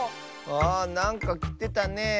あなんかきてたねえ。